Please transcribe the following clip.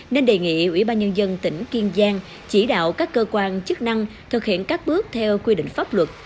nên đề nghị ủy ban nhân dân tỉnh kiên giang chỉ đạo các cơ quan chức năng thực hiện các bước theo quy định pháp luật